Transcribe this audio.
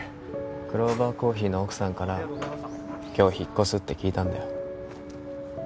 クローバーコーヒーの奥さんから今日引っ越すって聞いたんだよ